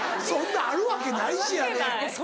そんなんあるわけないしやね。